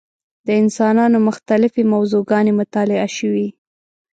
د انسانانو مختلفې موضوع ګانې مطالعه شوې.